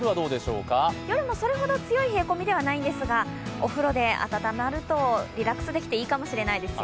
夜もそれほど強い冷え込みではないんですがお風呂で温まるとリラックスできていいと思いますよ。